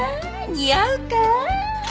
似合うかあ。